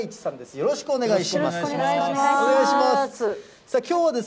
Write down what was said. よろしくお願いします。